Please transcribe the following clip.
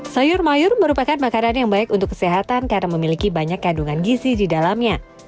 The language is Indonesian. sayur mayur merupakan makanan yang baik untuk kesehatan karena memiliki banyak kandungan gizi di dalamnya